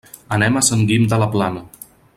Anem a Sant Guim de la Plana.